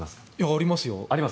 ありますよ。